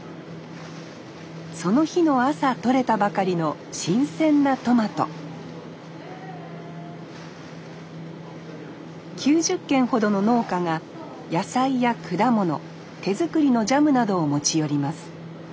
その日の朝とれたばかりの新鮮なトマト９０軒ほどの農家が野菜や果物手作りのジャムなどを持ち寄ります